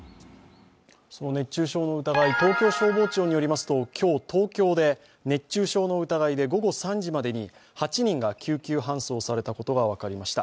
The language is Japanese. その熱中症の疑い、東京消防庁によりますと、今日、東京で熱中症の疑いで午後３時までに８人が救急搬送されたことが分かりました。